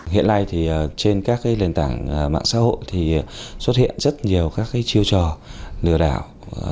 hiện nay trên các lên tảng mạng xã hội xuất hiện rất nhiều chiêu trò lừa đảo